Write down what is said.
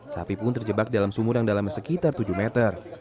sapi pun terjebak dalam sumur yang dalamnya sekitar tujuh meter